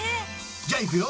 じゃあいくよ。